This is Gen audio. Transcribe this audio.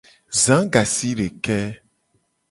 Za gasideke.